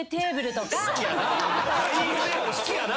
ダイニングテーブル好きやな。